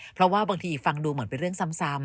เพราะว่าบางทีฟังดูเหมือนเป็นเรื่องซ้ำ